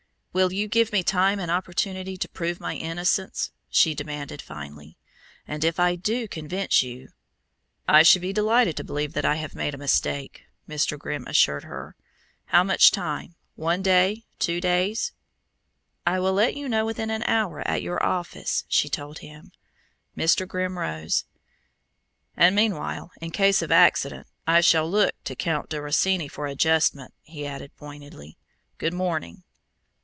"Will you give me time and opportunity to prove my innocence?" she demanded finally. "And if I do convince you ?" "I should be delighted to believe that I have made a mistake," Mr. Grimm assured her. "How much time? One day? Two days?" "I will let you know within an hour at your office," she told him. Mr. Grimm rose. "And meanwhile, in case of accident, I shall look to Count di Rosini for adjustment," he added pointedly. "Good morning."